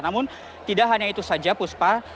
namun tidak hanya itu saja puspa